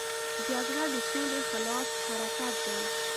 جګړه د سولې خلاف حرکت دی